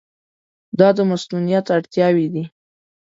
دا د مصونیت اړتیاوې دي.